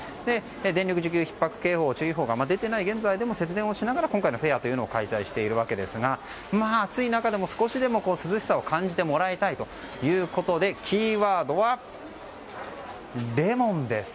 電力ひっ迫注意報、警報が出ていない現在でも節電をしながら今回のフェアを開催しているわけですが暑い中でも少しでも涼しさを感じてもらいたいということでキーワードは、レモンです。